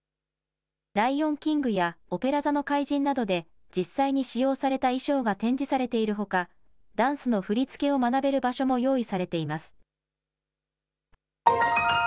ライオンキングやオペラ座の怪人などで実際に使用された衣装が展示されているほか、ダンスの振り付けを学べる場所も用意されています。